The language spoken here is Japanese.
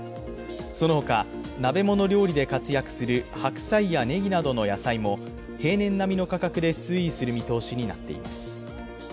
その他、鍋物料理で活躍する白菜やねぎなどの野菜も平年並みの価格で推移する見通しになっています。